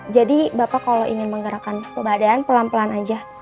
jadi bapak kalau ingin menggerakkan kebadan pelan pelan aja